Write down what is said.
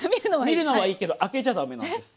見るのはいいけど開けちゃダメなんです。